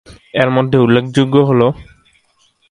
এর মধ্যে উল্লেখযোগ্য হল।